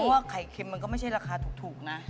เพราะว่าไข่เค็มมันก็ไม่ใช่ราคาถูกนะ